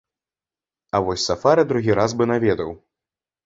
А вось сафары другі раз бы наведаў.